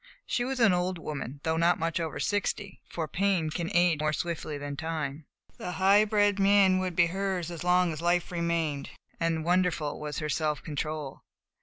She was an old woman, though not much over sixty, for pain can age more swiftly than time. The high bred mien would be hers as long as life remained, and wonderful was her self control.